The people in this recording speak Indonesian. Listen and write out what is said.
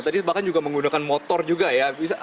tadi bahkan juga menggunakan motor juga ya